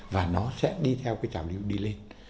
và nó sẽ đi theo cái trào lưu đi lên